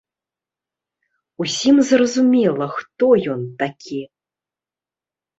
Усім зразумела, хто ён такі.